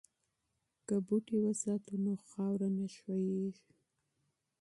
که بوټي وساتو نو خاوره نه ښویېږي.